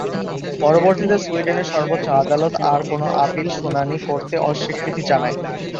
পরবর্তীতে সুইডেনের সর্বোচ্চ আদালত আর কোনও আপিল শুনানি করতে অস্বীকৃতি জানায়।